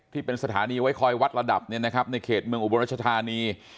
ที่เป็นสถานีไว้คอยวัดระดับในเขตเมืองอุบลรัชธานี